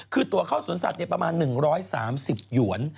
คือตัวเข้าสวนสัตว์ประมาณ๑๓๐หยวน